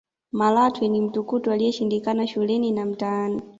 malatwe ni mtukutu aliyeshindikana shuleni na mtaani